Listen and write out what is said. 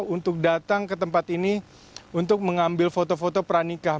untuk datang ke tempat ini untuk mengambil foto foto pernikah